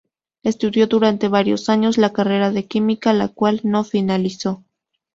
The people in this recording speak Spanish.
Estudió durante varios años la carrera de química la cual no finalizó.